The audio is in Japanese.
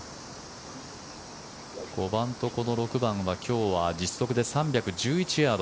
５番と６番は今日は実測で３１１ヤード。